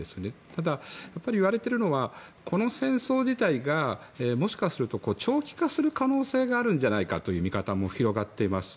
ただ、いわれているのはこの戦争自体が、もしかすると長期化する可能性があるんじゃないかという見方も広がっています。